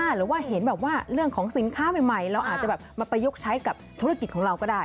หรือว่าเห็นแบบว่าเรื่องของสินค้าใหม่เราอาจจะแบบมาประยุกต์ใช้กับธุรกิจของเราก็ได้